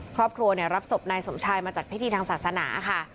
ครอบครัวรับศพนายสมชายมาจัดพิธีทางศาสนาค่ะ